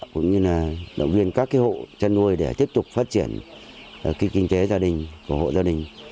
cũng như là động viên các hộ chăn nuôi để tiếp tục phát triển kinh tế gia đình của hộ gia đình